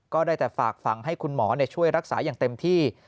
ก็ได้แต่ฝากฝังให้คุณหมอช่วยรักษาอย่างเต็มที่